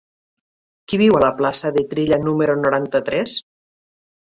Qui viu a la plaça de Trilla número noranta-tres?